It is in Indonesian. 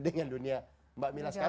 dengan dunia mbak mila sekarang